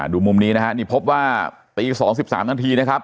ดูมุมนี้นะครับนี่พบว่าตี๒๓ทั้งทีนะครับ